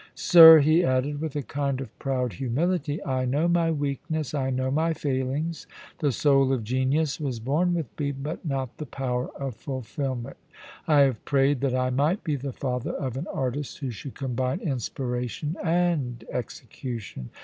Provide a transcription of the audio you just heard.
* Sir,' he added, with a kind of proud humility, * I know my weakness ; I know my failings. The soul of genius was born with me, but not the power of fulfilment I have prayed that I might be the father of an artist who should combine inspiration and execution.